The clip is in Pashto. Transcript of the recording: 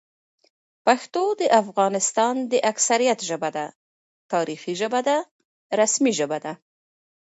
پښتو د افغانستان د اکثریت ژبه ده، تاریخي ژبه ده، رسمي ژبه ده